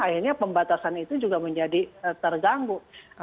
akhirnya pembatasan itu juga menjadi terganggu